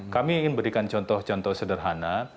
kami ingin berikan contoh contoh sederhana